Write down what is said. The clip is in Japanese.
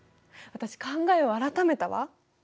私考えを改めたわ。